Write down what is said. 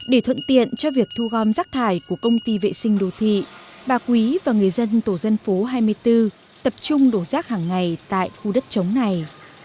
để thuận tiện cho việc thu gom rác thải của công ty vệ sinh đô thị bà quý và người dân tổ dân phố hai mươi bốn tập trung đổ rác hàng ngày tại khu đất chống này